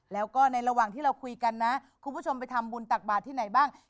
แล้วก็ในระหว่างที่เราคุยกันนะคุณผู้ชมไปทำบุญตักบาทที่ไหนบ้าง